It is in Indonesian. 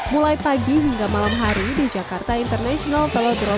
mulai pagi hingga malam hari di jakarta international color